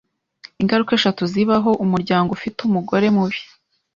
Ingaruka eshatu zibaho umuryango ufite umugore mubi